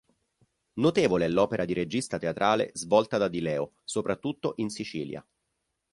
Notevole è l'opera di regista teatrale svolta da Di Leo soprattutto in Sicilia.